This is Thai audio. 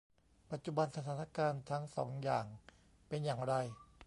ปัจจุบันสถานการณ์ทั้งสองอย่างเป็นอย่างไร ?